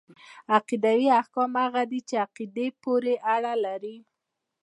عقيدوي احکام هغه دي چي په عقيدې پوري اړه لري .